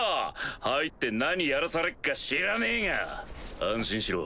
入って何やらされっか知らねぇが安心しろ。